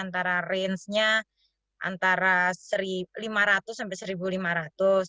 antara rangenya antara lima ratus sampai rp satu lima ratus